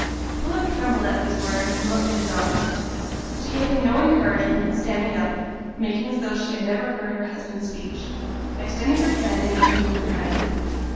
Philip trembled at these words, and looked at his aunt. She gave him no encouragement, standing up, and making as though she had never heard her husband's speech, by extending her hand, and wishing him 'good night.'